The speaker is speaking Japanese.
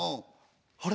「あれ？